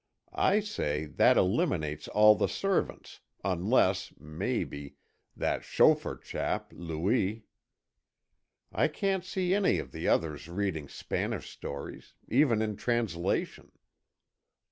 I say that eliminates all the servants, unless, maybe, that chauffeur chap, Louis. I can't see any of the others reading Spanish stories, even in translation.